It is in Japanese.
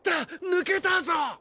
ぬけたぞ！